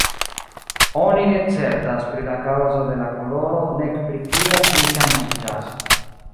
Oni ne certas pri la kaŭzo de la koloro nek pri kial ĝi ŝanĝiĝas.